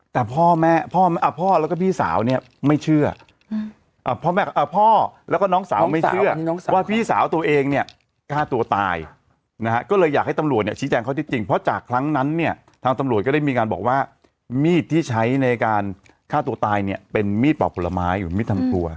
แต่พ่อแม่พ่อแล้วก็พี่สาวเนี่ยไม่เชื่อพ่อแล้วก็น้องสาวไม่เชื่อว่าพี่สาวตัวเองเนี่ยฆ่าตัวตายนะฮะก็เลยอยากให้ตำรวจเนี่ยชี้แจงข้อที่จริงเพราะจากครั้งนั้นเนี่ยทางตำรวจก็ได้มีการบอกว่ามีดที่ใช้ในการฆ่าตัวตายเนี่ยเป็นมีดปอกผลไม้หรือมีดทำครัว